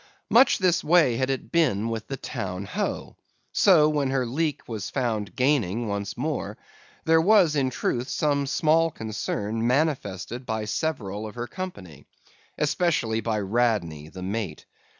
"Much this way had it been with the Town Ho; so when her leak was found gaining once more, there was in truth some small concern manifested by several of her company; especially by Radney the mate.